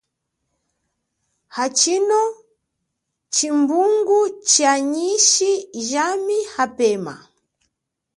Atshino tshimbungu tsha yishi jami apema.